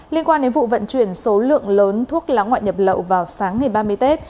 liên quan đến vụ vận chuyển số lượng lớn thuốc lá ngoại nhập lậu vào sáng ngày ba mươi tết